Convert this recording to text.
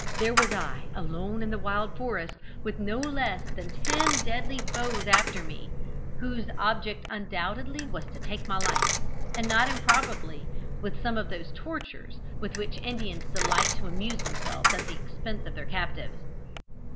there was I, alone in the wild forest, with no less than ten deadly foes after me, whose object undoubtedly was to take my life, and not improbably with some of those tortures with which Indians delight to amuse themselves at the expense of their captives.